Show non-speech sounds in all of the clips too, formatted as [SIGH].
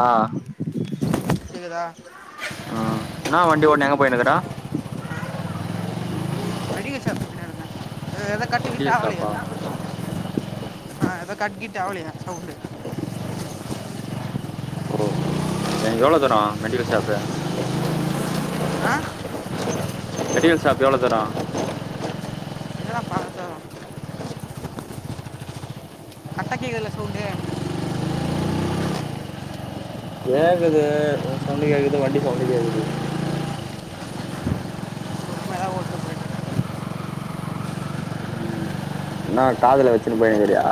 ஆ கேக்குதா ஆ என்னா வண்டி ஓட்டினு எங்க போயினுக்கறோ மெடிக்கல் ஷாப் வச்சுனுருந்தே எதோ கட்டிக்கிட்டா மெட்டீரியல் ஷாப்பா ஆவலேது ஆ அதோ கட்கிட்டா ஆவளயே சவுண்டு ஓ ஏன் எவ்ளோ தூரோ மெடிக்கல் ஷாப்பு ஆ மெடிகல்ஷாப் எவ்ளோ தூரோ இதெல்லாம் பார்த்து கரட்டா கேக்குதுல சவுண்டு கேக்குது உங்க சவுண்டு கேக்குது வண்டி சவுண்டு கேக்குது ஏதாவது ஓட்டு போயிட்டு ம் என்னா காதுல வெச்சுனு போயினுகிரியா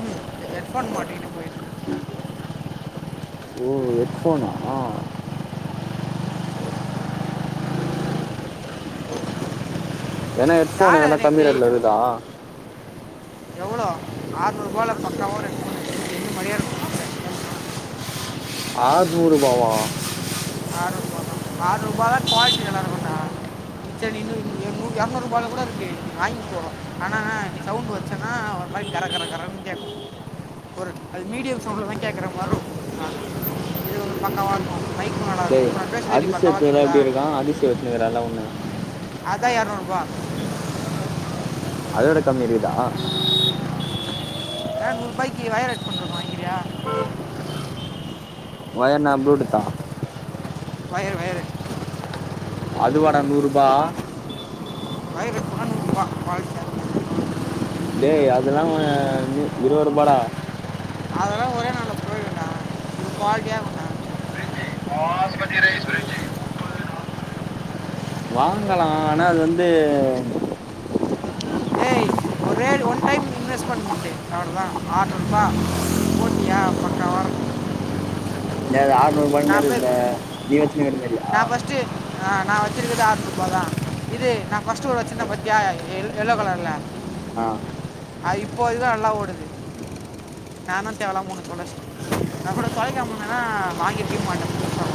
ம் இந்த ஹெட் ஃபோன் மாட்டிட்டு போய் ஓ ஹெட் ஃபோனா ஏனா ஹெட்ஃபோன் ஏதுனா கம்மி ரேட்டுல இருக்குதா எவ்ளோ ஆறுநூறுவால பக்காவா ரெண்டு மூணு [INAUDIBLE] இருக்கு ஆற்நூறு ரூபாவா ஆற் ரூபா தா குவாலிட்டி நல்லா இருக்குடா செரி நீ இன்ன நூ எரநூறு ரூபால கூட இருக்கு வாங்கிகோ ஆனா நீ சவுண்ட் வச்சேனா ஒரு மாரி கர கர கரனு கேக்கு ஒரு அது மீடியம் சவுண்டுலதா கேக்குற மாரிருக்கு ஆ இது ஒரு பக்காவா இருக்கு டேய் அதிசியத்துலா எப்டி இருக்கா அதிசிய வச்சுனுருக்குறாலா உன்ன அதா எரநூறு ரூபா அதவுட கம்மி இருக்குதா எரநூறு ரூபாய்கு வயர்டு ஹெட் ஃபோனு ஒயருனா ப்ளூட்டூத்தா ஒயரு ஒயரு அது வாடா நூறு ரூபா ஒயரு இப்ப நானூறுபா குவாலிடியா டேய் அதெல்லா நு இருபது ரூபாடா அதெல்லா ஒரே நாள்ல புடு குவால்ட்டியா இருக்கு வாங்கலா ஆனா அது வந்து ஏய் ஒரே ஒன் டைம் இன்வெஸ்ட்மெண்ட் அவ்ளோதா ஆற்நூரூபா இந்தாது நான் ஆற்நூறுபானுருந்த நீ வச்சினுருகற மாரியா ச்சு ஆ நா வச்சிருக்கது ஆற்நூறுபாதா இது நா ஃபஸ்ட்டு ஒரு வச்சுந்தே பாத்தியா ய எல்லோ கலர்ல ஆ அ இப்போ இதா நல்லா ஓடுது நானு தேவல்லாம ஒன்னு தொலைச்ட்டே நா கூட தொலைக்காமந்தேனா வாங்கிரு இருக் மாட்டே புதுசா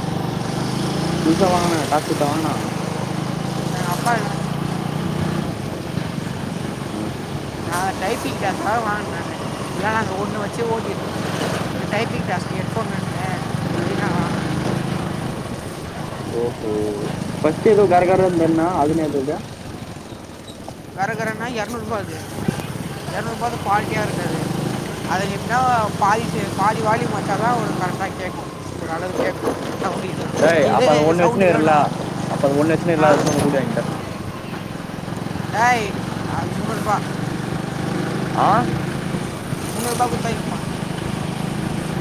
புதுசா வாங்குனே காசு குத்தா வாங்குணோ [INAUDIBLE] ஆ நா டைப்பிங்க்காதா வாங்குனே இல்லனா அந்த ஒன்னு வச்சே ஓட்டிருப்பே டைப்பிங் ஜாஸ்தி ஹெட் ஃபோன் ஓஹோ ஃபஸ்ட்டு ஏதோ கரகரந்தன்னா அதுன்னாது அது கரகரன்னா எர்நூறுபா அது எர்நூறூபாது குவால்ட்டியா இருக்காது அதெப்னா பாலிசு பாதி வாலிம் வச்சாதா கரெட்டா கேக்கூ ஒரளவுக்கு டேய் அப்ப அந்த ஒன்னு வச்சுனிருக்கல அப்ப அது அந்த ஒன்னு வச்சினிருக்கல ஆ அது எத்துன் வந்து குடு எங்கிட்ட ஏய் அற்நூறூபா ஆ முன்னூறுபா குத்தா எத்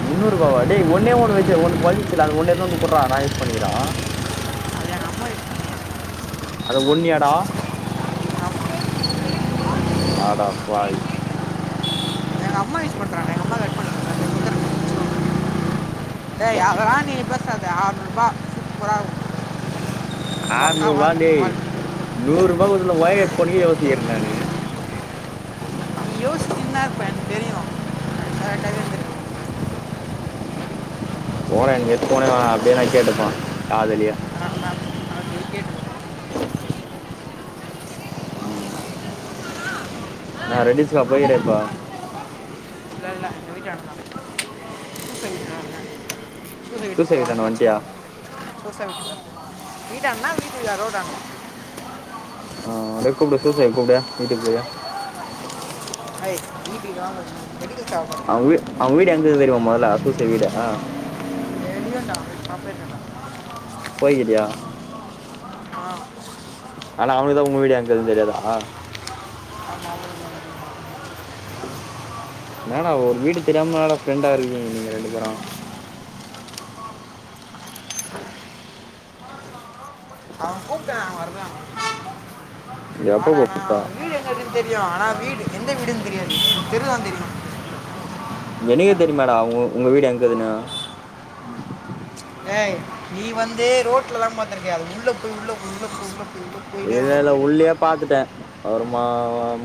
முன்னூற்பாவா டேய் ஒன்னே ஒன்னு வச்சு ஒன்னு தொலைஞ்சிச்சில அது ஒன்னேத்து வந்து குட்றா நா யூஸ் பண்ணிக்ற அது எங்கள் அம்மா யூஸ் அது ஒன்னியாடா பண்ணுறாங்க அடப்பாவி எங்க அம்மா யூஸ் பண்றாங்க எங்கம்மா [INAUDIBLE] டேய் அதெல்லா நீ பேசாத ஆற்நூறுபா சூப்பரார்க் ஆற்நூற்ரூபா டேய் குவாலிட்டி நூற்ரூபா குடுக்க ஒய்ர் ஹெட்ஃபோனுக்கே யோசிக்குற நானு நீ யோசிச்சுனுதா இருப்ப எனக்கு தெரியு கரெட்டாவே இந்துரு போடா எனக்கு ஹெட்ஃபோனே வேணா அப்டியே நா கேட்டுப்பே காதுலயே அதனால தான் கேட்டு ம் என்னா ரெட்டில்ஸ்கா போய்கிற இப்ப இல்லல்ல எங்க வீட்டாண்டதா [INAUDIBLE] சூசே வீட்டாண்ட வந்ட்டியா சூச வீட்ல வீட்டாண்டனா [INAUDIBLE] ஆ அப்டே கூப்டு சூசைய கூப்டு வீட்டுக்கு போயி அய் வீட்டுக்கு வாங்க [UNINTELLIGIBLE] அவுங் வீ அவுங் வீடு எங்கருக்கு தெரிமா மொதல்ல சூச வீடு தெரியுன்டா பாப் போய்கிறியா ஆ ஆனா அவனுக்குதா உங்க வீடு எங்கருக்குன் தெர்யாதா ஆமா [INAUDIBLE] என்னாடா ஒரு வீடு தெரியாமலாடா ஃப்ரெண்டா இருக்கீங்க நீங்க ரெண்டு பேரூ அவ கூப்டானா வர்லா எப்ப கூப்புட்டா தெரியு ஆனா வீடு எந்த வீடுன் தெரியாது தெரு தா தெரியு எனக்கே தெரிமெடா உங் உங்க வீடு எங்கதுன்னா ஏய் நீ வந்து ரோட்லதா பாத்திருக்கே அது உள்ள போய் உள்ள போய் உள்ள போய் உள்ள போய் உள்ள இல்லல்ல உள்ளயே பாத்துட்டே அப்ரமா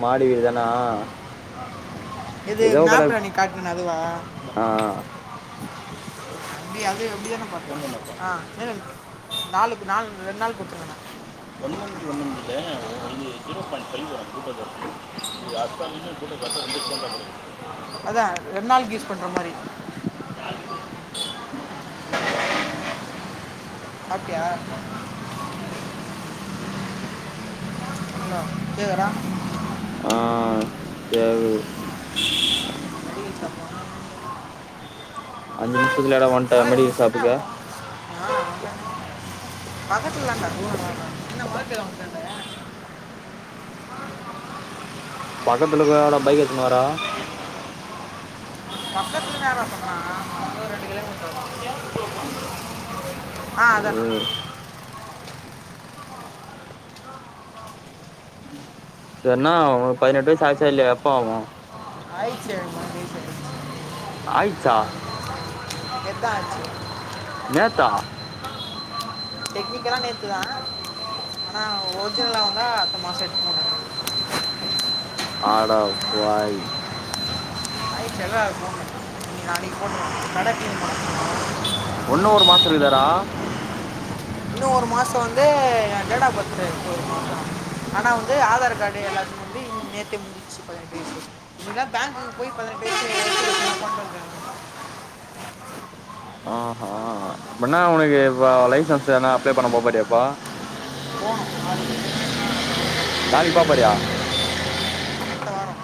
மாடி வீடுதனா எது மேப்புல அனைக்கு காட்னனே அதுவா ஆ நீ அது அப்டிதான பாத்த [UNINTELLIGIBLE] அ நாளுக்கு நாள் ரெண்நாள் குத்துருங்கண்ணா [UNINTELLIGIBLE] ஒன்னுமில்ல அது ஜீரோ பாயிண்ட் ஃபைவ் [UNINTELLIGIBLE] அதா ரெண் நாள்க்கு யூஸ் பண்ற மாரி சாப்டியா லோ கேக்தாடா ஆ கேகுது மெடிகல் ஷாப்ல அஞ்சு நிம்ஷத்திலையாட வண்ட மழை வரும். மெடிக்கல் என்ன ஷாப்க்கு வரும்? ஆ வட்டனே பக்கத்துலதாண்டா தூரலா இல்ல என்ன [UNINTELLIGIBLE] பக்கத்துலக்காடா பைக் எத்துனு வர பக்கத்திலனு யாரா சொன்னா வந்து ஒரு ரெண்டு கிலோமீட்டர் வரூ ஆ ஓ அதான சர்ன்னா உனக்கு பதினெட்டு வயசு ஆய்சா இல்லையா எப்போ ஆகு ஆய்சு எனக்கு பதினெட்டு வயசு ஆய்ச்சா நேத்தா ஆச்சு நேத்தா டெக்னிக்கல நேத்துத ஆனா ஒரிஜினல வந்தா அடுத்த மாச எட்னு அட பாவி [INAUDIBLE] ஒன்னு ஒரு மாசோ இருக்குதேடா இன்னு ஒரு மாசோ வந்து எ டேட் ஆப் பர்த்க்கு ஒரு மாசோ ஆனா வந்து ஆதார் காடு எல்லா வந்து நேத்தே முடிஞ்சு பதினெட்டு வயசு உங்ளுகலா பேங்குக்கு போய் [UNINTELLIGIBLE] ஆ ஹா இப்ப என்ன உனக்கு இப்ப லைசன்ஸ் எதனா அப்ளே பண்ண போ போறியாப்பா போகணும் நாளைக்கு. நாளைக்கு போபோறியா அடுத்த வாரம்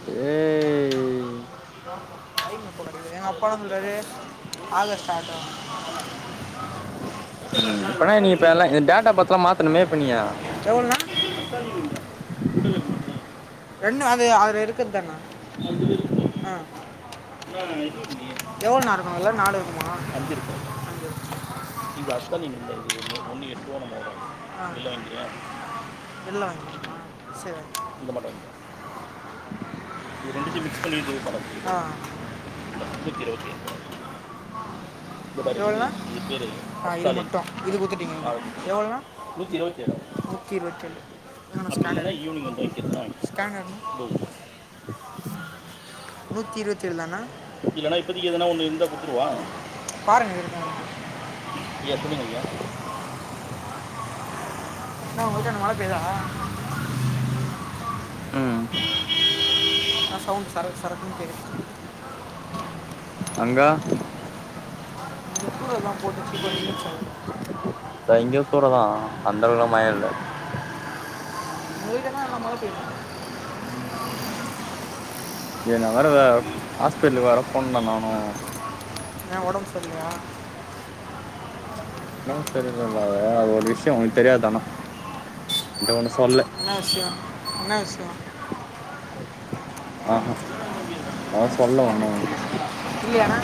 ஏ எங்க அப்பால சொல்ராரு ஆகஸ்ட்டாட்டு ம் இப்பனா நீ இப்ப எல்லா டேட்டா பர்த்துல்லா மாத்தணுமே இப்பண்ணியா எவல்னா சொல்லுங்க ரெண்டு அது அதுல இருக்குரதானா ஆ எவ்ளோ நா இருக்கு அதுல நாளு இருக்குமா அஞ்சிருக்கு அஞ்சிருக்கு இது அத்தன [UNINTELLIGIBLE] ஒண்ணு எட்டு ரூவா என்னமோ வரு பில் வாங்கிரியா பில்ல வாங்கிக்வோமா சேர் வாய்ங்க இத கொண்டு போய் மிக்ஸ் பண்ணி வைச்சுருங்கப்பா அ முன்னுத்தி இருவத்தி எட்டு ருவா பா எவ்வல்னா முப்பது இது மொத்த இது குடுத்துட்டீங்க எவ்வல்னா நூத்தி இருவத்தி ஏழு நூத்தி இருவத்தி ஏழு எங்கண்ணனா ஸ்கேனரு அப்டினா ஈவ்னிங் வந்து வாய்ங்ககிறதுனா வாய்ங்க ஸ்கேனரு எங்க நூத்தி இருபத்தி ஏழு தான்ணா இல்லன்னா இப்பதிக்கு எதுனா ஒண்ணு இருந்தா குத்துடுவா பாருங்க இருக்கானு ஐயா சொல்லுங்க ஐயா நா ஒங்க ஊட்டான்ட மழ பெய்யுதா ம் அ சௌவுண்ட்டு சரக் சரக்குனு கேகக்குது அங்கா பெப்ப எல்லா போட்டு சிக்கன் [UNINTELLIGIBLE] தா இங்கயு தூர தா அந்தளவு மய இல்ல [UNINTELLIGIBLE] வீடெல்லா என்ன மழ பெய்யிது ஏ நா வேறத ஹாஸ்பிட்டலுக்கு வேற போனுடா நானு ஏ ஒடம்பு சரியில்லயா ஒடம் சரியில்லல்லயே அது ஒரு விஷ்யோ உனக்கு தெரியாது ஆனா உன்ட ஒண்ணு சொல்லு என்ன விஷ்யோ என்ன விஷ்யோ ஆஹ அ சொல்ல ஒண்ணு ஒங்கிட்ட இல்லே னா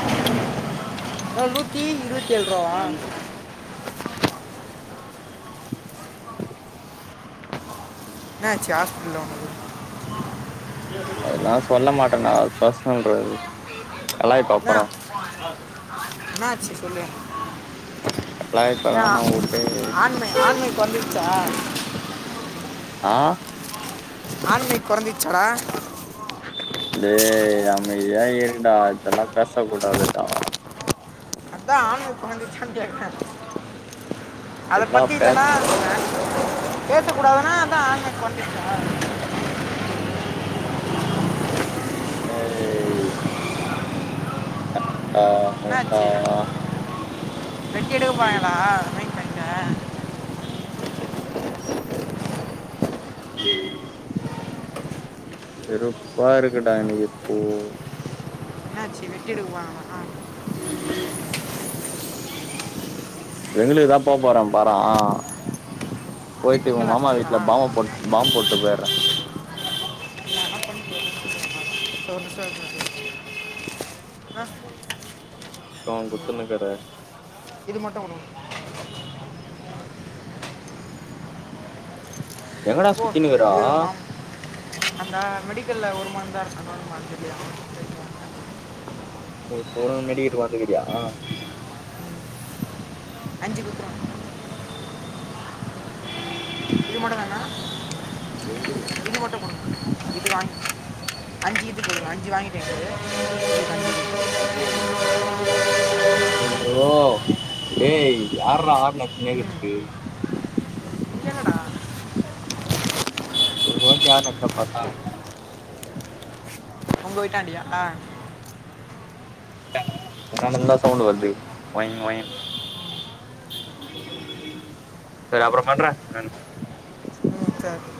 ஒ நூத்தி இருபத்தி ஏழு ரூபா தானா என்னாச்சு ஹாஸ்பிட்டல்ல ஒனக்கு அதெல்லா சொல்ல மாட்டேடா அது பர்ஸ்னல்றா அது கலாய்ப்ப அதா அப்பறோ என்னாச்சு சொல்லு கலாய்ப்ப ஏ ஆ வேணா வுடு ஆண்மை ஆண்மை கொறஞ்சுருச்சா சா ஆண்மை கொறஞ்சுருச்சாடா டேய் அமைதியா இருடா இதெல்லா பேசக்கூடாதுடா அதா ஆண்மை கொறஞ்சுருச்சானு கேக்குறே அத இதெல்லாம் பத்தி பேச இல்லனா [INAUDIBLE] பேசக்கூடாதுனா அதா ஆண்மை கொறஞ்சுருச்சா டேய் ஆ மூசா என்னாச்சு வெட்டி எடுக்க போறாய்ங்களா வெறுப்பா இருக்குடா எனக்கு இப்போ இதே வெட்டி எடுக்க போறாங்கனா வெங்களூக்கு தா போ போறே பறா போயிட்டு உன் வெங்கல் மாமா வீட்ல ஹாஸ்பிட்டலா பாம்ப போட் பாம் போட்டு போயிறே ஒரு நிமிஷம் [UNINTELLIGIBLE] [INAUDIBLE] அறோ குத்துனக்கத இது மட்டும் உண எங்கடா ஓ சுத்தினுக்குறா எச்சிரமாம் அந்த மெடிக்கல்ல ஒரு மந்தான் இருக்கா இன்னொன் மந் இல்லயா ஓ போணுனு மெடிக்கிட்டு வந்துருக்கியா அஞ்சு [UNINTELLIGIBLE] இது மட்டும் தாண்ணா இது மட்டும் குடுங்க இது வேன் அஞ்சு கிட்டு போடுங்க அஞ்சு வாங்கிட்டேங்கது அஞ்சு அய்யோ டேய் யார்றா ஹாரன் அடிச்சுனே இருக்குது இங்க இல்லடா ஒரு வாட்டி ஹாரன் அடிச்சா பத்தாதா ஒங்க வீட்டாண்டியா என்ட்ட இருந்தா சவுண்டு வருது ஒயின் ஒயின் சரி அப்றொ பண்ற நானு ம் சர்